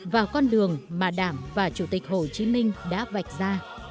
vào con đường mà đảng và chủ tịch hồ chí minh đã vạch ra